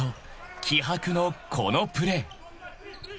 気迫のこのプレー］